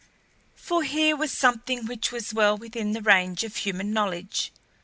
For here was something which was well within the range of human knowledge.